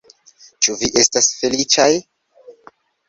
Ĉu vi estas feliĉaj?